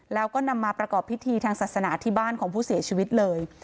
แล้วก็นำมาประกอบพิธีทางศาสนาที่บ้านของผู้เสียชีวิตเลย